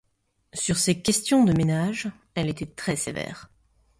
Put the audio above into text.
Sur ces questions de ménage, elle était très sévère.